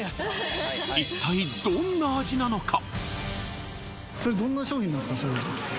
一体どんな味なのか？